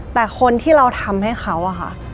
แต่คนที่เราทำให้เขาอะค่ะ